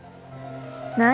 何？